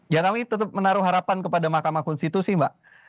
ya kami tetap menaruh harapan kepada mahkamah konstitusi mbak